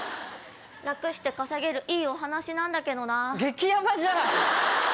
楽して稼げるいいお話なんだけどな。激ヤバじゃん！